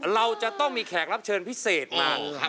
เราจะต้องมีแขกรับเชิญพิเศษมา